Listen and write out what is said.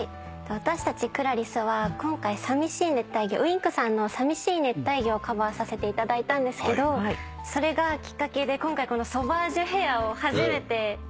私たちＣｌａｒｉＳは今回Ｗｉｎｋさんの『淋しい熱帯魚』をカバーさせていただいたんですけどそれがきっかけで今回このソバージュヘアを初めて挑戦させていただきました。